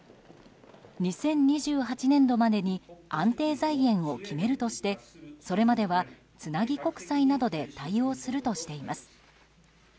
２０２８年度までに安定財源を決めるとしてそれまではつなぎ国債などで対応するとしています。